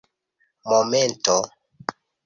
momento